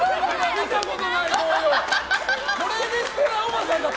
見たことない動揺！